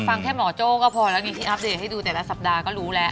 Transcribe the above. ฟังแค่หมอโจ้ก็พอแล้วนี่ที่อัปเดตให้ดูแต่ละสัปดาห์ก็รู้แล้ว